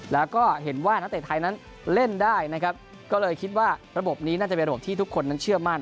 แล้วก็เห็นว่านักเตะไทยนั้นเล่นได้นะครับก็เลยคิดว่าระบบนี้น่าจะเป็นระบบที่ทุกคนนั้นเชื่อมั่น